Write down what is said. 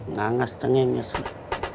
nangas tanya mesarok